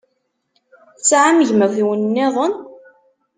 Tesɛam gma-twen-nniḍen?